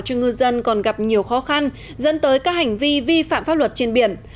cho ngư dân còn gặp nhiều khó khăn dẫn tới các hành vi vi phạm pháp luật trên biển